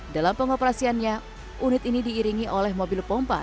dalam pengoperasiannya unit ini diiringi oleh mobil pompa